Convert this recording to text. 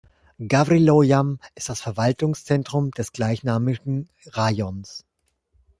Gawrilow-Jam ist Verwaltungszentrum des gleichnamigen Rajons.